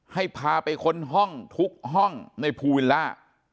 ให้พาไปค้นห้องทุกห้องในภูวิลล่า